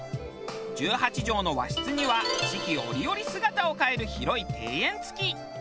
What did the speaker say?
１８畳の和室には四季折々姿を変える広い庭園付き。